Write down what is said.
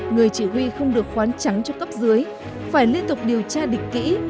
người chỉ huy không được khoán trắng cho cấp dưới phải liên tục điều tra địch kỹ